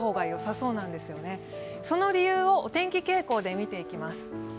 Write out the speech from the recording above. その理由をお天気傾向で見ていきます。